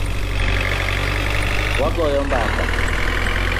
Wagoyo mbaka.